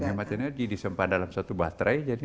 menghemat energi disempat dalam satu baterai